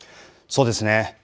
そうですね。